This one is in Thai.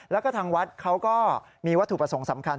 แล้วก็ทางวัดเขาก็มีวัตถุประสงค์สำคัญ